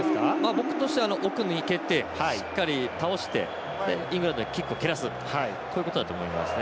僕としては奥に抜けて、しっかり倒してイングランドにキックを蹴らすということだと思いますね。